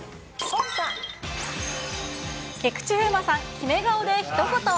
菊池風磨さん、決め顔で一言。